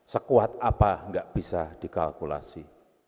sekuat apa nggak bisa dikalkulasi